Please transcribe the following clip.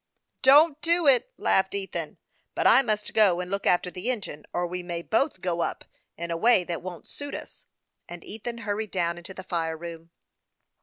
" Don't do it," laughed Ethan. " But I must go and look after the engine, or we may both go up, in a 16* 186 HASTE AND WASTE, OR way that won't suit us ;" and Ethan hurried down into the fire room.